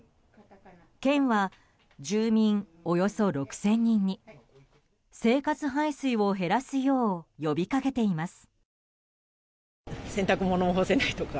県は、住民およそ６０００人に生活排水を減らすよう呼びかけています。